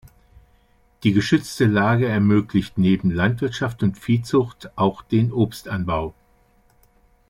Die geschützte Lage ermöglicht neben Landwirtschaft und Viehzucht auch den Obstanbau.